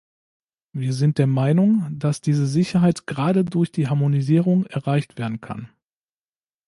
Wir sind der Meinung, dass diese Sicherheit gerade durch die Harmonisierung erreicht werden kann.